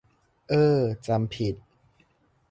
เอ้อ จำผิด